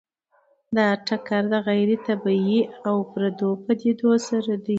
دا ټکر د غیر طبیعي او پردو پدیدو سره دی.